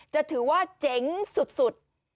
จะถือว่าเจ๋งสุด